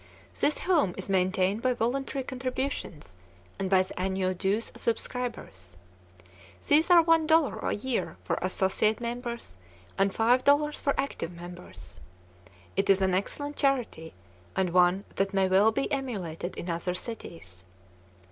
This home is maintained by voluntary contributions and by the annual dues of subscribers. These are one dollar a year for associate members and five dollars for active members. It is an excellent charity, and one that may well be emulated in other cities.